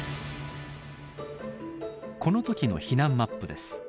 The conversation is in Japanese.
この時の避難マップです。